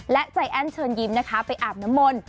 และใจแอ้นเชิญยิ้มนะคะไปอาบน้ำมนต์